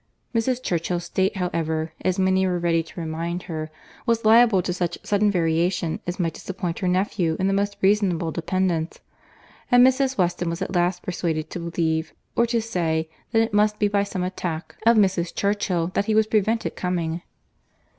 —Mrs. Churchill's state, however, as many were ready to remind her, was liable to such sudden variation as might disappoint her nephew in the most reasonable dependence—and Mrs. Weston was at last persuaded to believe, or to say, that it must be by some attack of Mrs. Churchill that he was prevented coming.